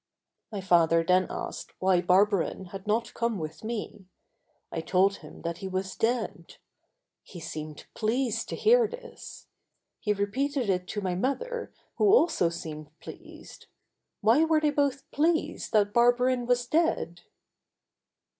My father then asked why Barberin had not come with me. I told him that he was dead. He seemed pleased to hear this. He repeated it to my mother, who also seemed pleased. Why were they both pleased that Barberin was dead?